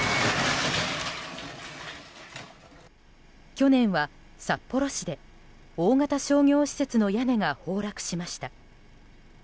去年は札幌市で大型商業施設の屋根が崩落しました。